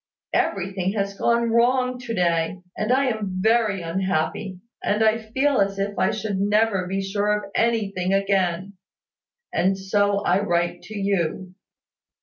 Everything has gone wrong to day; and I am very unhappy, and I feel as if I should never be sure of anything again; and so I write to you.